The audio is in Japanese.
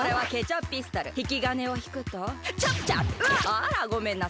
あらごめんなさい。